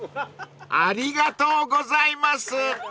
［ありがとうございます］